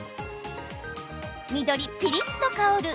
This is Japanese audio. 緑・ピリっと香る！